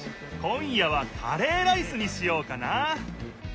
今夜はカレーライスにしようかな。